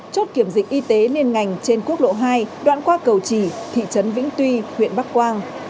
chốt kiểm dịch y tế liên ngành trên quốc lộ hai đoạn qua cầu trì thị trấn vĩnh tuy huyện bắc quang